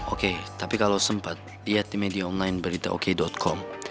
oke tapi kalau sempat lihat di media online berita oke com